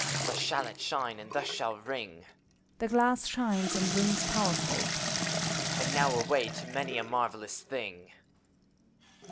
Thus shall it shine, and thus shall ring I {The glass shines and rings powerfully.) And now, away to many a marvellous thing!